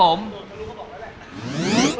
ข้ารู้เขาบอกแล้วแหละ